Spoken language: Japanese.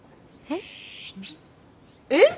えっ？えっ！